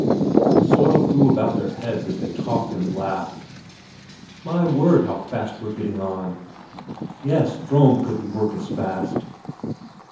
The soil flew about their heads as they talked and laughed. "My word, how fast we're getting on!" "Yes; Ström couldn't work as fast!"